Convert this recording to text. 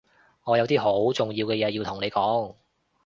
我有啲好重要嘅嘢要同你講